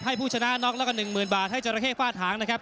ให้ผู้ชนะนอกละก็หนึ่งหมื่นบาทให้จแรกเคฟ้าทางนะครับ